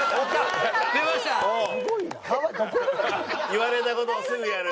言われた事をすぐやる。